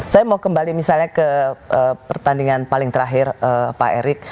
saya mau kembali misalnya ke pertandingan paling terakhir pak erik